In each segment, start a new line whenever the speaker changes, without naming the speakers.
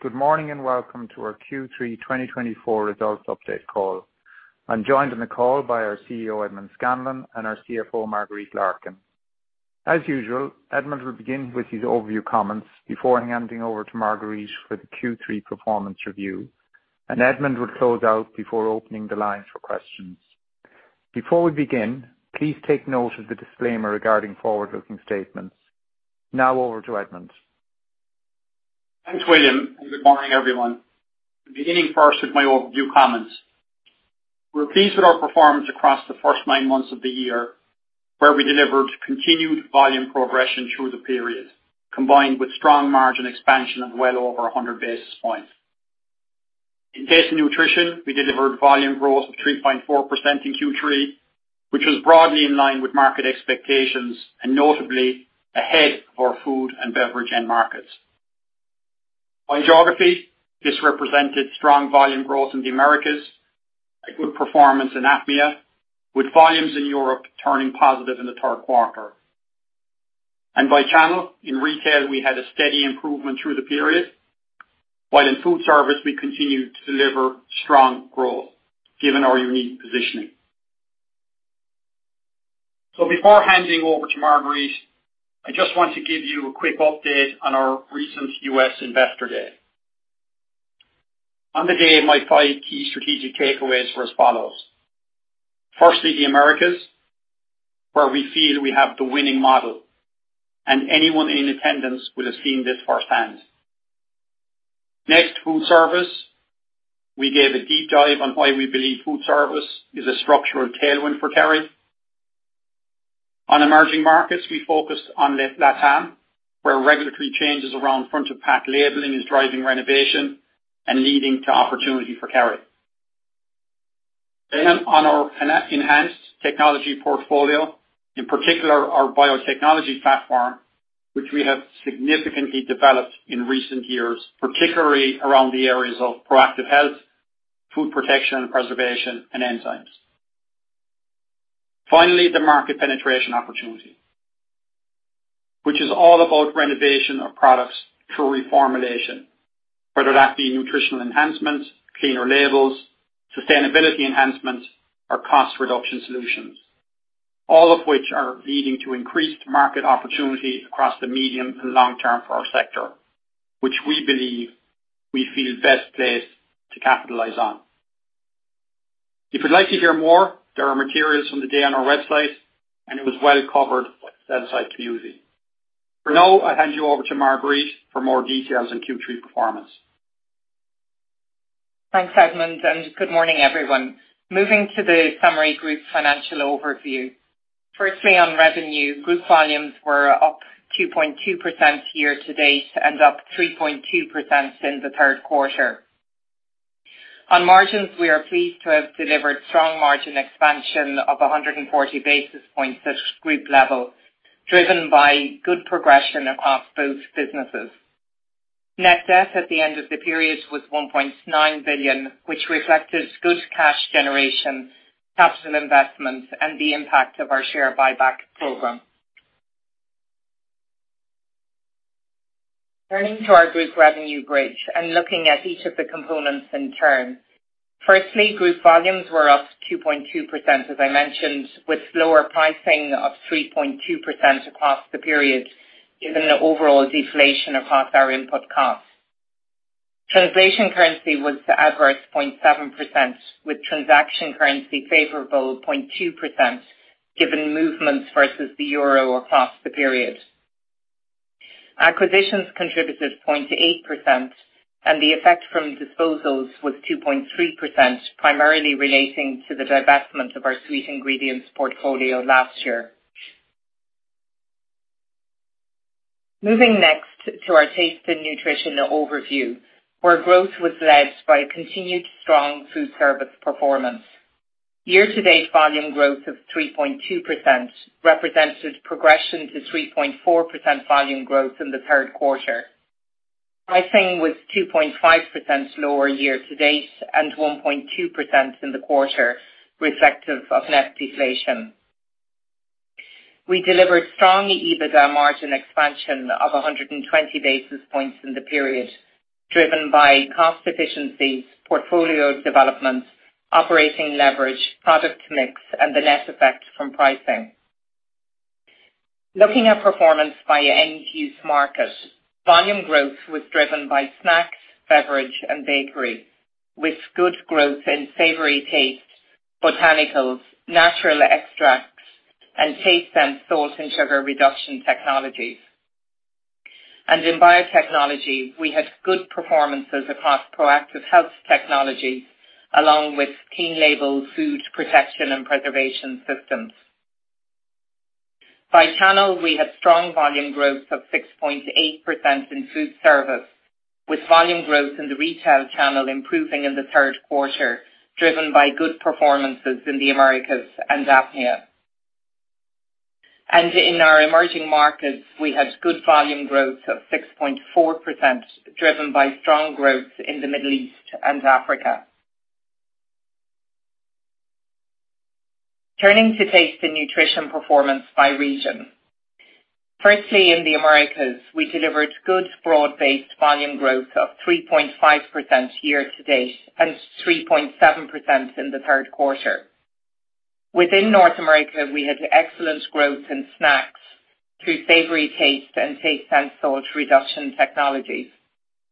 Good morning, and welcome to our Q3 2024 results update call. I'm joined on the call by our CEO, Edmond Scanlon, and our CFO, Marguerite Larkin. As usual, Edmond will begin with his overview comments before handing over to Marguerite for the Q3 performance review, and Edmond will close out before opening the lines for questions. Before we begin, please take note of the disclaimer regarding forward-looking statements. Now over to Edmond.
Thanks, William, and good morning, everyone. Beginning first with my overview comments. We're pleased with our performance across the first nine months of the year, where we delivered continued volume progression through the period, combined with strong margin expansion of well over 100 basis points. In Taste & Nutrition, we delivered volume growth of 3.4% in Q3, which was broadly in line with market expectations and notably ahead of our food and beverage end markets. By geography, this represented strong volume growth in the Americas, a good performance in APMEA, with volumes in Europe turning positive in the third quarter, and by channel, in retail, we had a steady improvement through the period, while in Foodservice we continued to deliver strong growth, given our unique positioning. So before handing over to Marguerite, I just want to give you a quick update on our recent U.S. Investor Day. On the day, my five key strategic takeaways were as follows: firstly, the Americas, where we feel we have the winning model, and anyone in attendance would have seen this firsthand. Next, Foodservice. We gave a deep dive on why we believe Foodservice is a structural tailwind for Kerry. On emerging markets, we focused on LatAm, where regulatory changes around front-of-pack labeling is driving renovation and leading to opportunity for Kerry. Then on our enhanced technology portfolio, in particular, our biotechnology platform, which we have significantly developed in recent years, particularly around the areas of Proactive Health, Food Protection and Preservation, and Enzymes. Finally, the market penetration opportunity, which is all about renovation of products through reformulation, whether that be nutritional enhancements, cleaner labels, sustainability enhancements, or cost reduction solutions, all of which are leading to increased market opportunity across the medium and long term for our sector, which we believe we feel best placed to capitalize on. If you'd like to hear more, there are materials from the day on our website, and it was well covered by the website community. For now, I'll hand you over to Marguerite for more details on Q3 performance.
Thanks, Edmond, and good morning, everyone. Moving to the summary group financial overview. Firstly, on revenue, group volumes were up 2.2% year-to-date and up 3.2% in the third quarter. On margins, we are pleased to have delivered strong margin expansion of 140 basis points at group level, driven by good progression across both businesses. Net debt at the end of the period was 1.9 billion, which reflected good cash generation, capital investments, and the impact of our share buyback program. Turning to our group revenue bridge and looking at each of the components in turn. Firstly, group volumes were up 2.2%, as I mentioned, with lower pricing of 3.2% across the period, given the overall deflation across our input costs. Translation currency was adverse 0.7%, with transaction currency favorable 0.2%, given movements versus the euro across the period. Acquisitions contributed 0.8%, and the effect from disposals was 2.3%, primarily relating to the divestment of our Sweet Ingredients portfolio last year. Moving next to our Taste & Nutrition overview, where growth was led by continued strong Foodservice performance. year-to-date, volume growth of 3.2% represented progression to 3.4% volume growth in the third quarter. Pricing was 2.5% lower year-to-date and 1.2% in the quarter, reflective of net deflation. We delivered strong EBITDA margin expansion of 120 basis points in the period, driven by cost efficiencies, portfolio development, operating leverage, product mix, and the net effect from pricing. Looking at performance by end use market, volume growth was driven by snacks, beverage, and bakery, with good growth in savory taste, botanicals, natural extracts, and taste and salt and sugar reduction technologies, and in biotechnology, we had good performances across Proactive Health technology, along with Clean Label Food Protection and Preservation systems. By channel, we had strong volume growth of 6.8% in Foodservice, with volume growth in the retail channel improving in the third quarter, driven by good performances in the Americas and APMEA, and in our emerging markets, we had good volume growth of 6.4%, driven by strong growth in the Middle East and Africa. Turning to Taste & Nutrition performance by region. Firstly, in the Americas, we delivered good broad-based volume growth of 3.5% year-to-date and 3.7% in the third quarter. Within North America, we had excellent growth in snacks through savory taste and salt reduction technologies.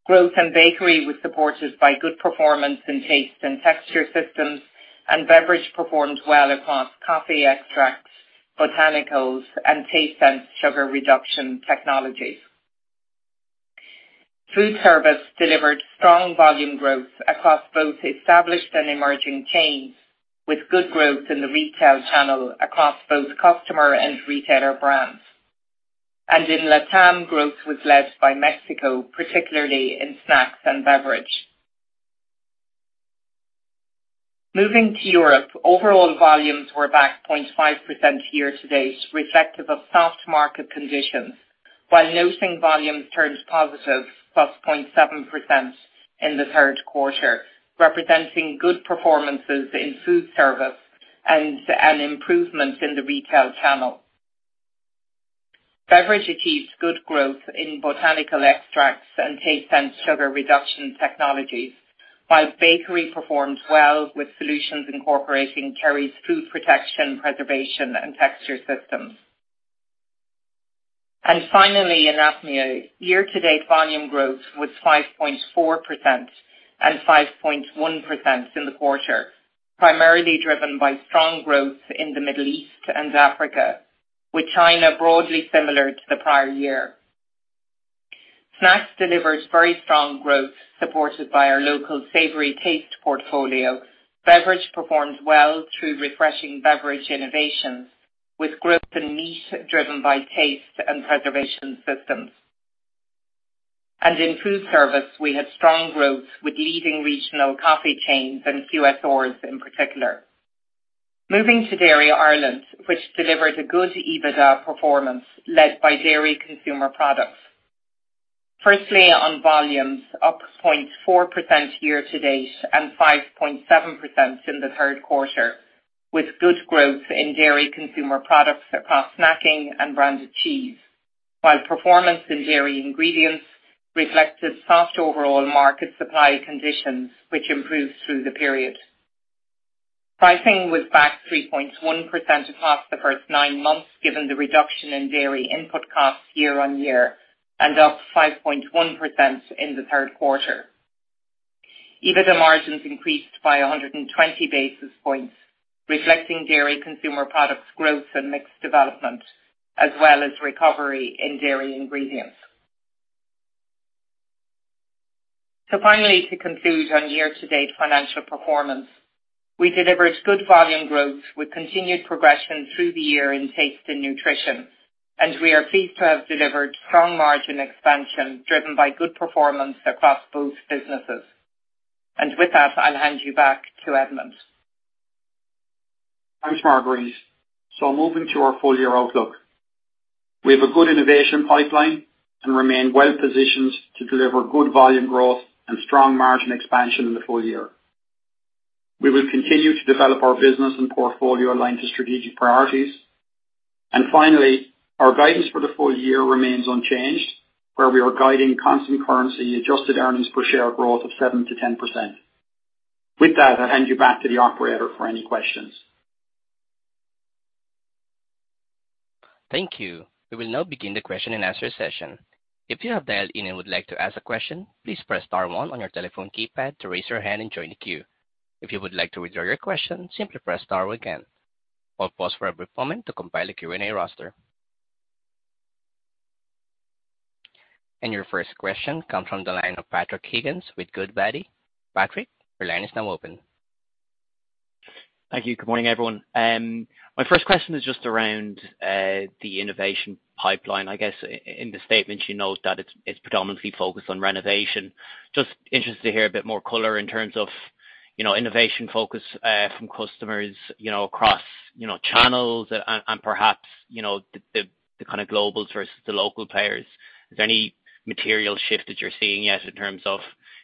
Growth in bakery was supported by good performance in taste and texture systems, and beverage performed well across coffee extracts, botanicals, and taste and sugar reduction technologies. Foodservice delivered strong volume growth across both established and emerging chains, with good growth in the retail channel across both customer and retailer brands, and in LATAM, growth was led by Mexico, particularly in snacks and beverage. Moving to Europe, overall volumes were back 0.5% year-to-date, reflective of soft market conditions, while noting volumes turned positive, +0.7% in the third quarter, representing good performances in Foodservice and improvement in the retail channel. Beverage achieved good growth in botanical extracts and taste and sugar reduction technologies, while Bakery performed well with solutions incorporating Kerry's food protection, preservation, and texture systems. And finally, in APMEA, year-to-date volume growth was 5.4% and 5.1% in the quarter, primarily driven by strong growth in the Middle East and Africa, with China broadly similar to the prior year. Snacks delivered very strong growth, supported by our local savory taste portfolio. Beverage performed well through refreshing beverage innovations, with growth in meat driven by taste and preservation systems. And in Foodservice, we had strong growth with leading regional coffee chains and QSRs in particular. Moving to Dairy Ireland, which delivered a good EBITDA performance, led by Dairy Consumer Products. Firstly, on volumes, up 0.4% year-to-date and 5.7% in the third quarter, with good growth in Dairy Consumer Products across snacking and branded cheese, while performance in Dairy Ingredients reflected soft overall market supply conditions, which improved through the period. Pricing was back 3.1% across the first nine months, given the reduction in dairy input costs year on year, and up 5.1% in the third quarter. EBITDA margins increased by 120 basis points, reflecting Dairy Consumer Products growth and mix development, as well as recovery in Dairy Ingredients. So finally, to conclude on year-to-date financial performance, we delivered good volume growth with continued progression through the year in Taste & Nutrition, and we are pleased to have delivered strong margin expansion, driven by good performance across both businesses. And with that, I'll hand you back to Edmond.
Thanks, Marguerite. So, moving to our full year outlook. We have a good innovation pipeline and remain well positioned to deliver good volume growth and strong margin expansion in the full year. We will continue to develop our business and portfolio aligned to strategic priorities. And finally, our guidance for the full year remains unchanged, where we are guiding constant currency adjusted earnings per share growth of 7%-10%. With that, I'll hand you back to the operator for any questions.
Thank you. We will now begin the question and answer session. If you have dialed in and would like to ask a question, please press star one on your telephone keypad to raise your hand and join the queue. If you would like to withdraw your question, simply press star again. I'll pause for a brief moment to compile a Q&A roster. And your first question comes from the line of Patrick Higgins with Goodbody. Patrick, your line is now open.
Thank you. Good morning, everyone. My first question is just around the innovation pipeline. I guess in the statement, you noted that it's predominantly focused on renovation. Just interested to hear a bit more color in terms of you know innovation focus from customers you know across you know channels and perhaps you know the kind of global versus the local players. Is there any material shift that you're seeing yet in terms of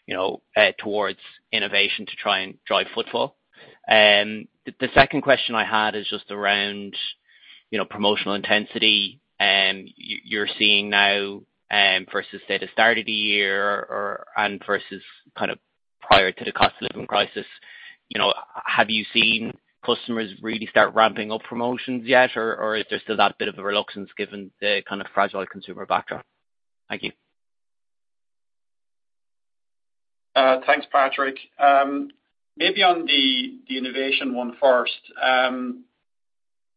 you know towards innovation to try and drive footfall? And the second question I had is just around you know promotional intensity. You're seeing now, versus, say, the start of the year or versus kind of prior to the cost of living crisis, you know, have you seen customers really start ramping up promotions yet, or is there still that bit of a reluctance given the kind of fragile consumer backdrop? Thank you.
Thanks, Patrick. Maybe on the innovation one first.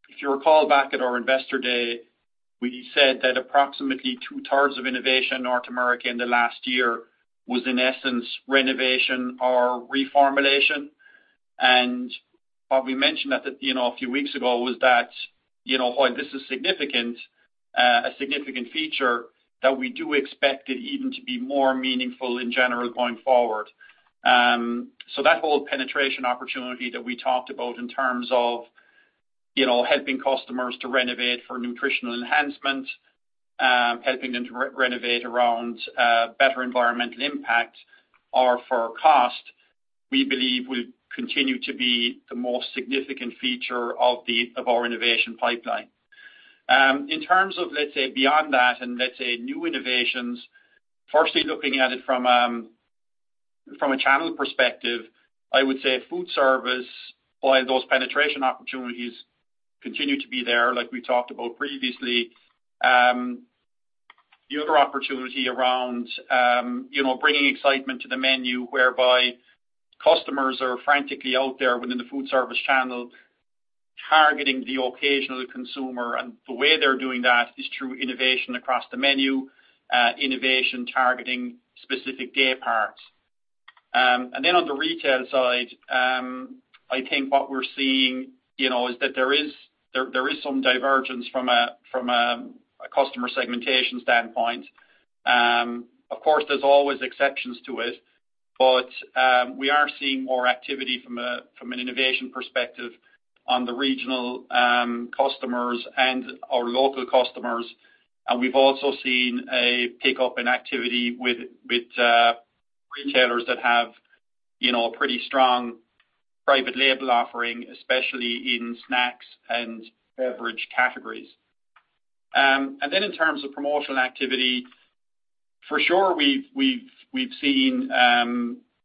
If you recall back at our Investor Day, we said that approximately 2/3 of innovation in North America in the last year was, in essence, renovation or reformulation. And what we mentioned at the, you know, a few weeks ago was that, you know, while this is significant, a significant feature, that we do expect it even to be more meaningful in general going forward. So that whole penetration opportunity that we talked about in terms of, you know, helping customers to renovate for nutritional enhancement, helping them to renovate around better environmental impact or for cost, we believe will continue to be the most significant feature of our innovation pipeline. In terms of, let's say, beyond that, and let's say new innovations, firstly, looking at it from a channel perspective, I would say Foodservice, while those penetration opportunities continue to be there, like we talked about previously, the other opportunity around, you know, bringing excitement to the menu, whereby customers are frantically out there within the Foodservice channel, targeting the occasional consumer. And the way they're doing that is through innovation across the menu, innovation, targeting specific day parts. And then on the retail side, I think what we're seeing, you know, is that there is some divergence from a customer segmentation standpoint. Of course, there's always exceptions to it, but, we are seeing more activity from an innovation perspective on the regional customers and our local customers. And we've also seen a pickup in activity with retailers that have you know a pretty strong private label offering, especially in snacks and beverage categories. And then in terms of promotional activity, for sure, we've seen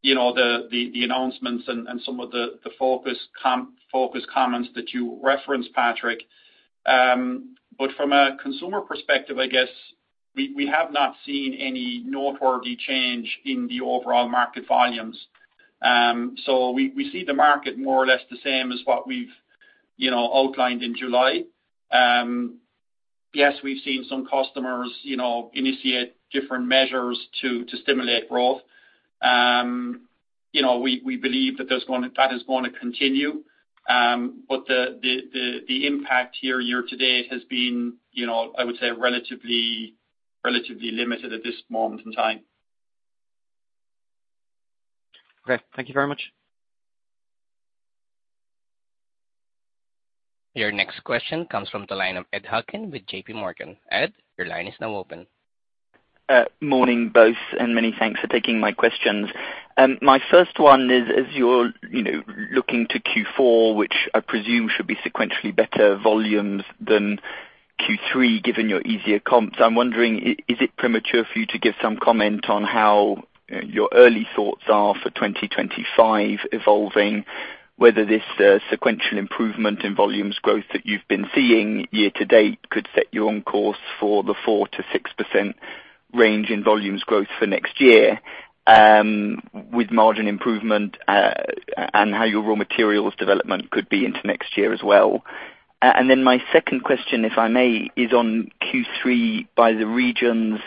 you know the announcements and some of the focus comments that you referenced, Patrick. But from a consumer perspective, I guess, we have not seen any noteworthy change in the overall market volumes. So we see the market more or less the same as what we've you know outlined in July. Yes, we've seen some customers you know initiate different measures to stimulate growth. You know, we believe that is going to continue. But the impact year-to-date has been, you know, I would say relatively limited at this moment in time.
Okay, thank you very much.
Your next question comes from the line of Ed Hockin with J.P. Morgan. Ed, your line is now open.
Morning, both, and many thanks for taking my questions. My first one is, as you're, you know, looking to Q4, which I presume should be sequentially better volumes than Q3, given your easier comps, I'm wondering, is it premature for you to give some comment on how your early thoughts are for 2025 evolving, whether this sequential improvement in volumes growth that you've been seeing year-to-date could set you on course for the 4%-6% range in volumes growth for next year, with margin improvement, and how your raw materials development could be into next year as well? And then my second question, if I may, is on Q3 by the regions,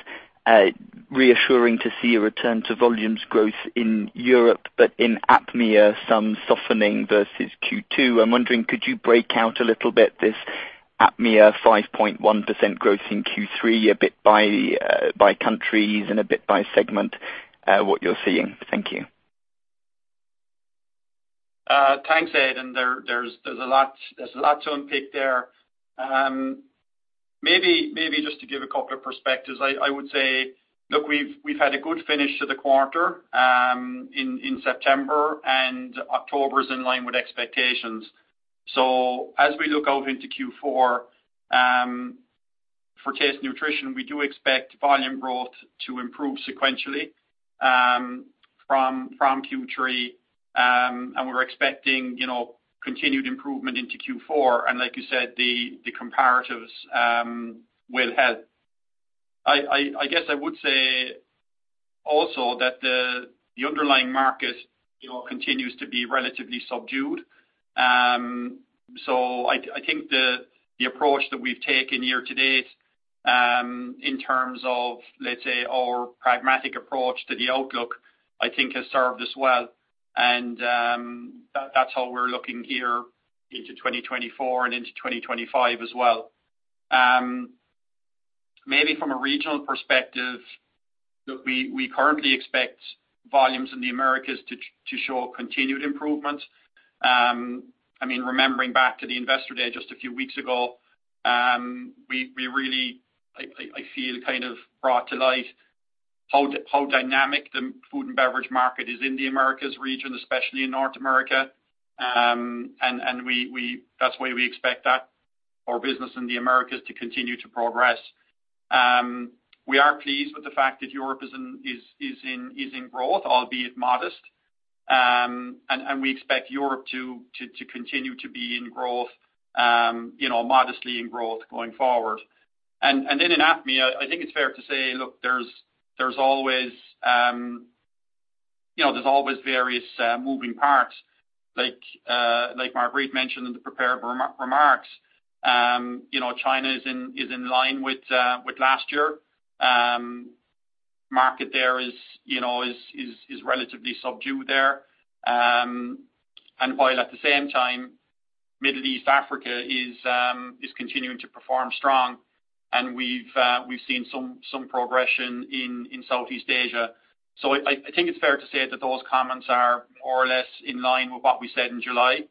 reassuring to see a return to volumes growth in Europe, but in APMEA, some softening versus Q2. I'm wondering, could you break out a little bit this APMEA 5.1% growth in Q3, a bit by countries and a bit by segment, what you're seeing? Thank you.
Thanks, Ed, and there's a lot to unpick there. Maybe just to give a couple of perspectives, I would say, look, we've had a good finish to the quarter, in September, and October is in line with expectations. So as we look out into Q4, for Taste Nutrition, we do expect volume growth to improve sequentially, from Q3. And we're expecting, you know, continued improvement into Q4, and like you said, the comparatives will help. I guess I would say also that the underlying market, you know, continues to be relatively subdued. So I think the approach that we've taken year-to-date, in terms of, let's say, our pragmatic approach to the outlook, I think has served us well, and, that's how we're looking here into 2024 and into 2025 as well. Maybe from a regional perspective, we currently expect volumes in the Americas to show continued improvement. I mean, remembering back to the Investor Day just a few weeks ago, we really, I feel kind of brought to light how dynamic the food and beverage market is in the Americas region, especially in North America. And we, that's why we expect that, our business in the Americas to continue to progress. We are pleased with the fact that Europe is in growth, albeit modest. We expect Europe to continue to be in growth, you know, modestly in growth going forward, then in APMEA, I think it's fair to say, look, there's always various moving parts like Marguerite mentioned in the prepared remarks, you know, China is in line with last year. Market there is, you know, relatively subdued there, and while at the same time, Middle East, Africa is continuing to perform strong and we've seen some progression in Southeast Asia, so I think it's fair to say that those comments are more or less in line with what we said in July.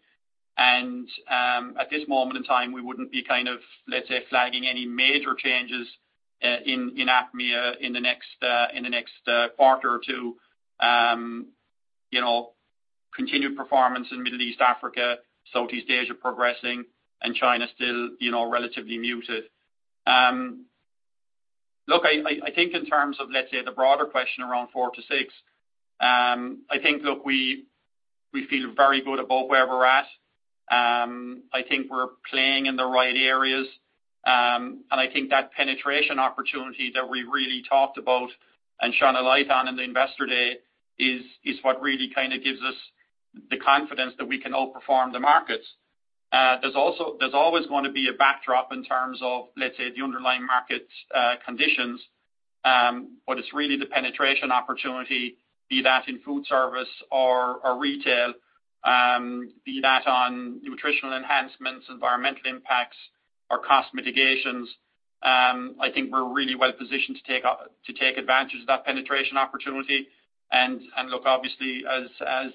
At this moment in time, we wouldn't be kind of, let's say, flagging any major changes in APMEA in the next quarter or two. You know, continued performance in Middle East, Africa, Southeast Asia progressing, and China still, you know, relatively muted. Look, I think in terms of, let's say, the broader question around four to six, I think, look, we feel very good about where we're at. I think we're playing in the right areas, and I think that penetration opportunity that we really talked about and shone a light on in the Investor Day is what really kind of gives us the confidence that we can outperform the markets. There's also, there's always gonna be a backdrop in terms of, let's say, the underlying markets, conditions, but it's really the penetration opportunity, be that in Foodservice or retail, be that on nutritional enhancements, environmental impacts or cost mitigations. I think we're really well positioned to take to take advantage of that penetration opportunity. And look, obviously as,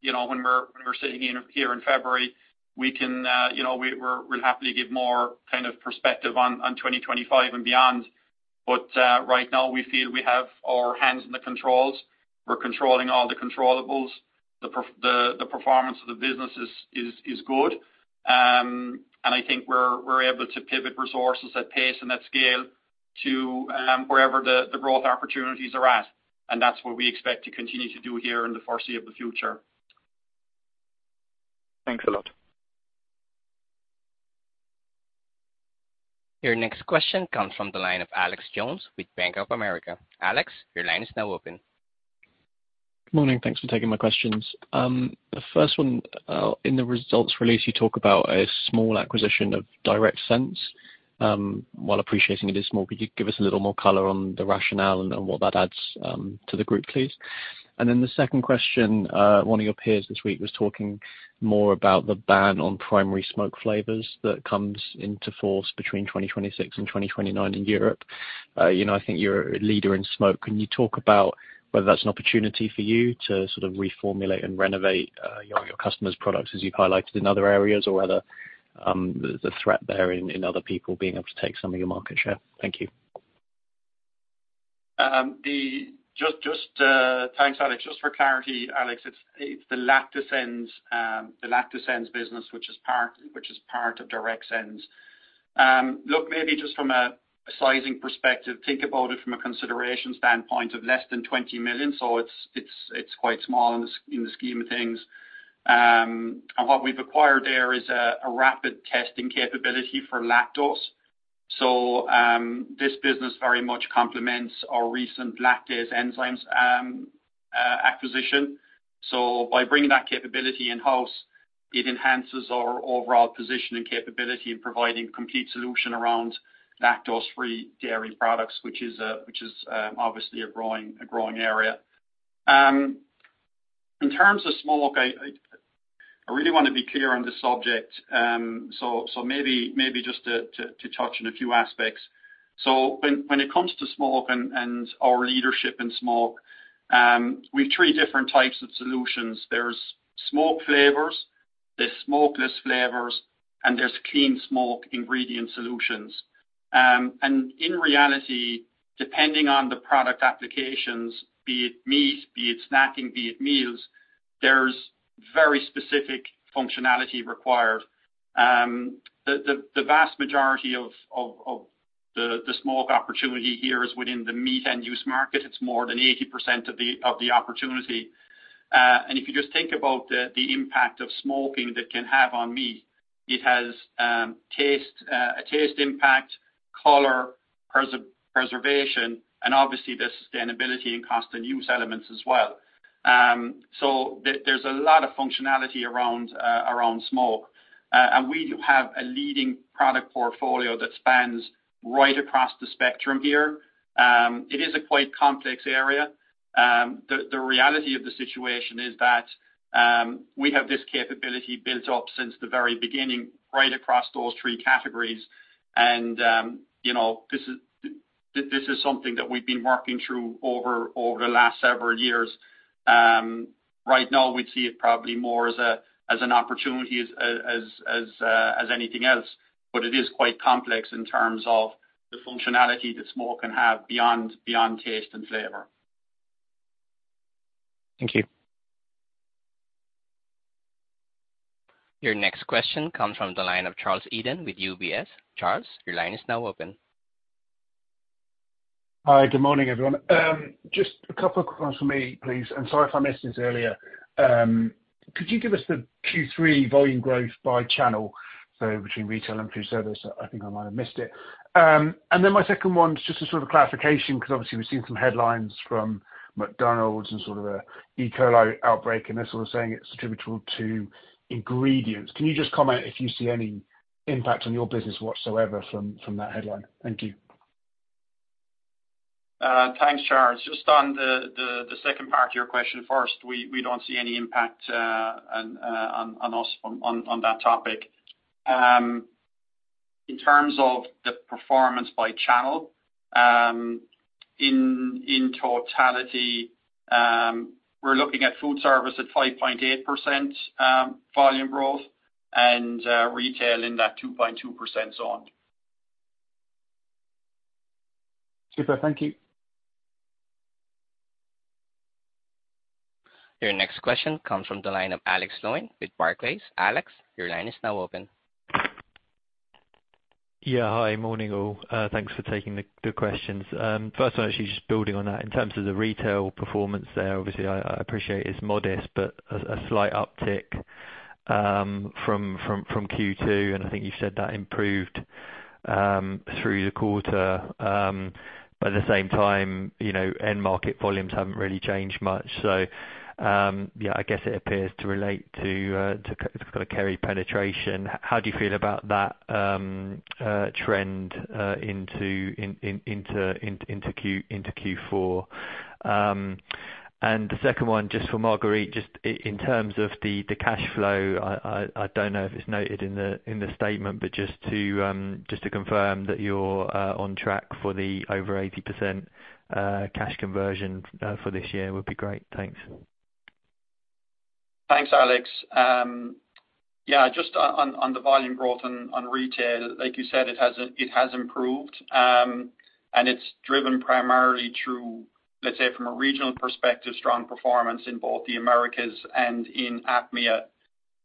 you know, when we're sitting here in February, we can, you know, we'll happily give more kind of perspective on 2025 and beyond. But right now we feel we have our hands on the controls. We're controlling all the controllables. The performance of the business is good. And I think we're able to pivot resources at pace and at scale to wherever the growth opportunities are at, and that's what we expect to continue to do here in the foreseeable future.
Thanks a lot.
Your next question comes from the line of Alex Jones with Bank of America. Alex, your line is now open.
Good morning. Thanks for taking my questions. The first one, in the results release, you talk about a small acquisition of DirectSens. While appreciating it is small, could you give us a little more color on the rationale and on what that adds to the group, please? And then the second question, one of your peers this week was talking more about the ban on primary smoke flavors that comes into force between 2026 and 2029 in Europe. You know, I think you're a leader in smoke. Can you talk about whether that's an opportunity for you to sort of reformulate and renovate your customers' products as you've highlighted in other areas, or whether the threat there in other people being able to take some of your market share? Thank you.
Just thanks, Alex. Just for clarity, Alex, it's the LactoSens, the LactoSens business, which is part of DirectSens. Look, maybe just from a sizing perspective, think about it from a consideration standpoint of less than 20 million, so it's quite small in the scheme of things. And what we've acquired there is a rapid testing capability for lactose. So this business very much complements our recent lactase enzymes acquisition. So by bringing that capability in-house, it enhances our overall position and capability in providing complete solution around lactose-free dairy products, which is obviously a growing area. In terms of smoke, I really wanna be clear on this subject. Maybe just to touch on a few aspects. When it comes to smoke and our leadership in smoke, we have three different types of solutions. There's smoke flavors, there's smokeless flavors, and there's clean smoke ingredient solutions. And in reality, depending on the product applications, be it meat, be it snacking, be it meals, there's very specific functionality required. The vast majority of the smoke opportunity here is within the meat and use market. It's more than 80% of the opportunity. And if you just think about the impact of smoking that can have on meat, it has taste, a taste impact, color, preservation, and obviously there's sustainability and cost-in-use elements as well. There's a lot of functionality around smoke. And we have a leading product portfolio that spans right across the spectrum here. It is quite a complex area. The reality of the situation is that we have this capability built up since the very beginning, right across those three categories. And you know, this is something that we've been working through over the last several years. Right now we see it probably more as an opportunity as anything else, but it is quite complex in terms of the functionality that smoke can have beyond taste and flavor.
Thank you.
Your next question comes from the line of Charles Eden with UBS. Charles, your line is now open.
Hi, good morning, everyone. Just a couple of quick ones from me, please, and sorry if I missed this earlier. Could you give us the Q3 volume growth by channel, so between retail and Foodservice? I think I might have missed it. And then my second one is just a sort of clarification, 'cause obviously we've seen some headlines from McDonald's and sort of a E. coli outbreak, and they're sort of saying it's attributable to ingredients. Can you just comment if you see any impact on your business whatsoever from that headline? Thank you.
Thanks, Charles. Just on the second part of your question first, we don't see any impact on us on that topic. In terms of the performance by channel, in totality, we're looking at Foodservice at 5.8% volume growth and retail in that 2.2% zone.
Super, thank you.
Your next question comes from the line of Alex Sloane with Barclays. Alex, your line is now open.
Yeah. Hi, morning, all. Thanks for taking the questions. First I want to actually just building on that, in terms of the retail performance there, obviously I appreciate it's modest, but a slight uptick from Q2, and I think you said that improved through the quarter. But at the same time, you know, end market volumes haven't really changed much. So, yeah, I guess it appears to relate to kind of Kerry penetration. How do you feel about that trend into Q4? And the second one, just for Marguerite, in terms of the cash flow, I don't know if it's noted in the statement, but just to confirm that you're on track for the over 80% cash conversion for this year would be great. Thanks.
Thanks, Alex. Yeah, just on the volume growth on retail, like you said, it has improved, and it's driven primarily through, let's say, from a regional perspective, strong performance in both the Americas and in APMEA.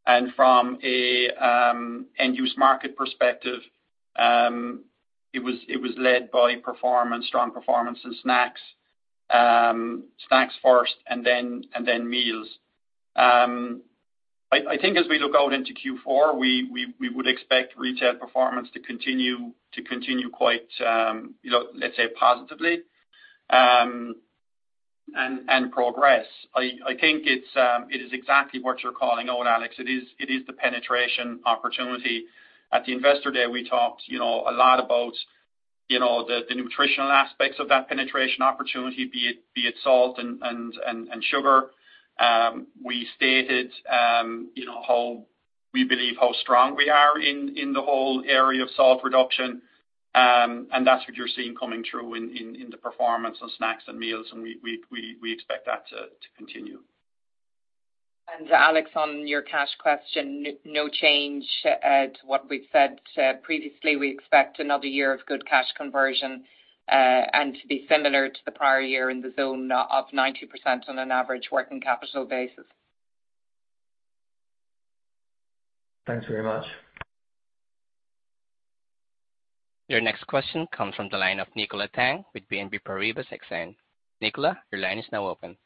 And from a end-use market perspective, it was led by strong performance in snacks. Snacks first and then meals. I think as we look out into Q4, we would expect retail performance to continue quite, you know, let's say positively, and progress. I think it is exactly what you're calling out, Alex. It is the penetration opportunity. At the Investor Day, we talked, you know, a lot about, you know, the nutritional aspects of that penetration opportunity, be it salt and sugar. We stated, you know, how we believe how strong we are in the whole area of salt reduction, and that's what you're seeing coming through in the performance of snacks and meals, and we expect that to continue.
And Alex, on your cash question, no change to what we've said, previously. We expect another year of good cash conversion, and to be similar to the prior year in the zone of 90% on an average working capital basis.
Thanks very much.
Your next question comes from the line of Nicola Tang with BNP Paribas Exane. Nicola, your line is now open.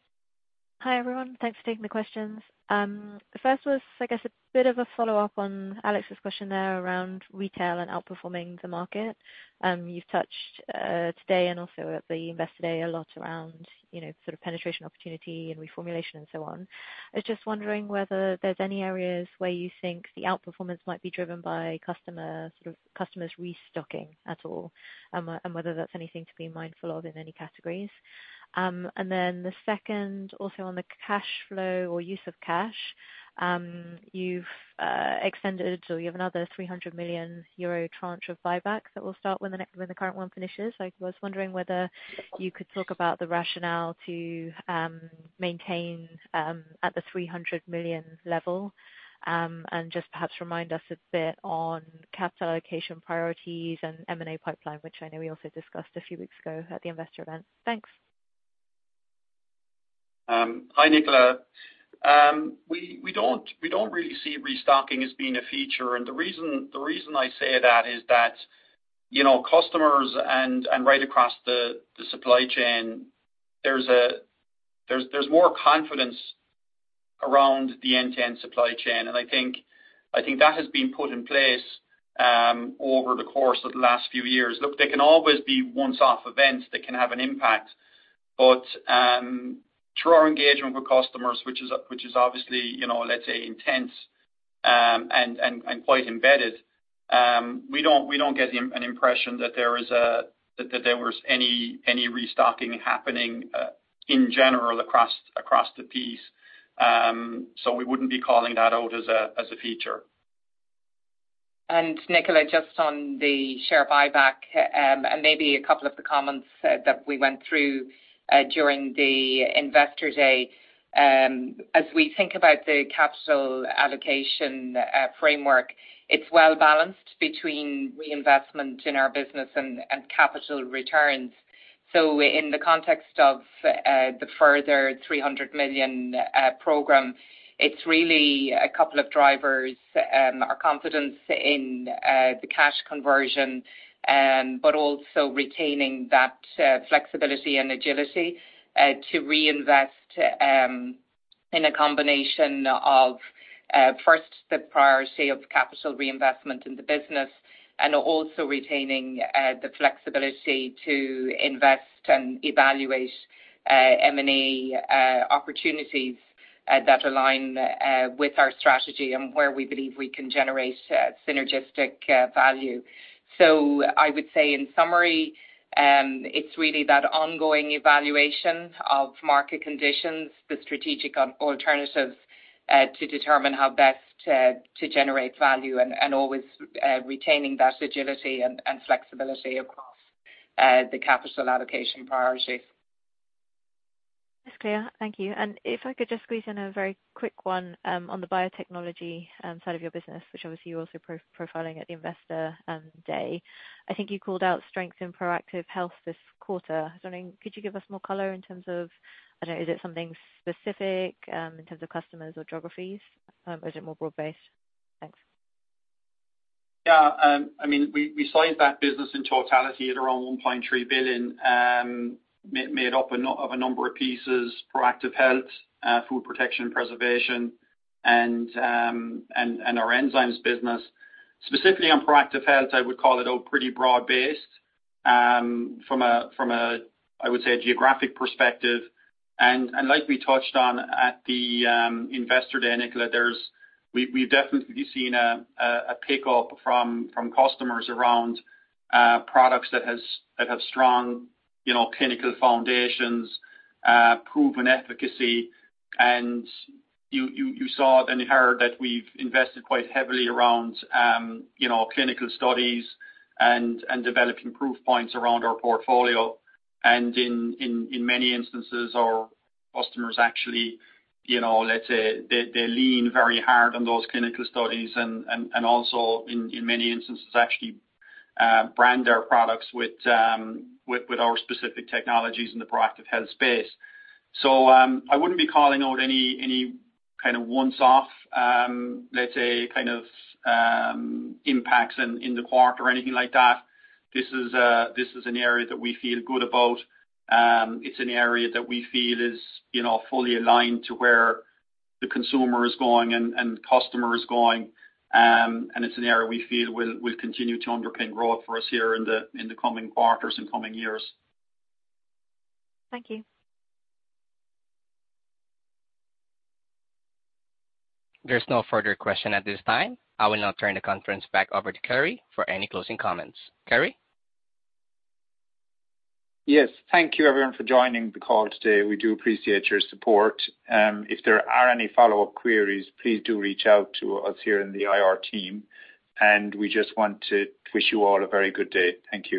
Hi, everyone. Thanks for taking the questions. The first was, I guess, a bit of a follow-up on Alex's question there around retail and outperforming the market. You've touched today and also at the Investor Day, a lot around, you know, sort of penetration opportunity and reformulation and so on. I was just wondering whether there's any areas where you think the outperformance might be driven by customer, sort of customers restocking at all, and whether that's anything to be mindful of in any categories? And then the second, also on the cash flow or use of cash, you've extended, so you have another 300 million euro tranche of buyback that will start when the current one finishes. I was wondering whether you could talk about the rationale to maintain at the 300 million level, and just perhaps remind us a bit on capital allocation priorities and M&A pipeline, which I know we also discussed a few weeks ago at the Investor event. Thanks.
Hi, Nicola. We don't really see restocking as being a feature, and the reason I say that is that, you know, customers and right across the supply chain, there's more confidence around the end-to-end supply chain, and I think that has been put in place over the course of the last few years. Look, there can always be one-off events that can have an impact, but through our engagement with customers, which is obviously, you know, let's say, intense and quite embedded, we don't get an impression that there was any restocking happening in general across the piece. So we wouldn't be calling that out as a feature.
And Nicola, just on the share buyback, and maybe a couple of the comments that we went through during the Investor Day, as we think about the capital allocation framework, it's well-balanced between reinvestment in our business and capital returns. So in the context of the further 300 million program, it's really a couple of drivers, our confidence in the cash conversion, but also retaining that flexibility and agility to reinvest in a combination of first, the priority of capital reinvestment in the business, and also retaining the flexibility to invest and evaluate M&A opportunities that align with our strategy and where we believe we can generate synergistic value. So I would say in summary-... It's really that ongoing evaluation of market conditions, the strategic alternatives, to determine how best to generate value and always retaining that agility and flexibility across the capital allocation priorities.
That's clear. Thank you. And if I could just squeeze in a very quick one, on the biotechnology side of your business, which obviously you're also profiling at the investor day. I think you called out strengths in Proactive Health this quarter. I was wondering, could you give us more color in terms of, I don't know, is it something specific in terms of customers or geographies? Or is it more broad-based? Thanks.
Yeah. I mean, we sized that business in totality at around 1.3 billion, made up of a number of pieces, Proactive Health, Food Protection and Preservation, and our Enzymes business. Specifically on Proactive Health, I would call it, oh, pretty broad-based, from a geographic perspective. And like we touched on at the investor day, Nicola, there's... We've definitely seen a pickup from customers around products that have strong, you know, clinical foundations, proven efficacy. And you saw it and you heard that we've invested quite heavily around, you know, clinical studies and developing proof points around our portfolio. In many instances, our customers actually, you know, let's say they lean very hard on those clinical studies and also in many instances actually brand our products with our specific technologies in the Proactive Health space. So, I wouldn't be calling out any kind of one-off, let's say, kind of impacts in the quarter or anything like that. This is an area that we feel good about. It's an area that we feel is, you know, fully aligned to where the consumer is going and the customer is going. It's an area we feel will continue to underpin growth for us here in the coming quarters and coming years. Thank you.
There's no further question at this time. I will now turn the conference back over to Kerry for any closing comments. Kerry?
Yes, thank you, everyone, for joining the call today. We do appreciate your support. If there are any follow-up queries, please do reach out to us here in the IR team, and we just want to wish you all a very good day. Thank you.